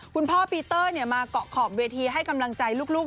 คุณพ่อปีเตอร์มาเกาะขอบเวทีให้กำลังใจลูก